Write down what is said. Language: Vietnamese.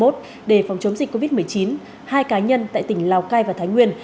để phòng chống dịch covid một mươi chín hai cá nhân tại tỉnh lào cai và thái nguyên